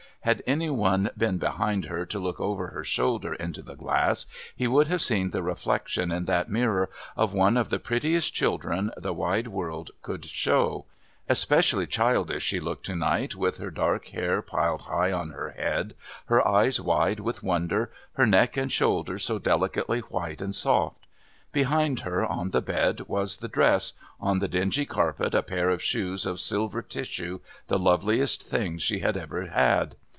Had any one been behind her to look over her shoulder into the glass, he would have seen the reflection in that mirror of one of the prettiest children the wide world could show; especially childish she looked to night with her dark hair piled high on her head, her eyes wide with wonder, her neck and shoulders so delicately white and soft. Behind her, on the bed, was the dress, on the dingy carpet a pair of shoes of silver tissue, the loveliest things she had ever had.